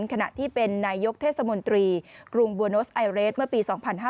ขณะที่เป็นนายกเทศมนตรีกรุงบัวโนสไอเรสเมื่อปี๒๕๕๙